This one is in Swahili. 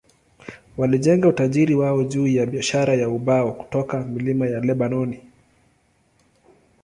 Walijenga utajiri wao juu ya biashara ya ubao kutoka milima ya Lebanoni.